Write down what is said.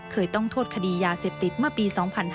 เคยต้องโทษคดียาเสพติดเมื่อปี๒๕๕๙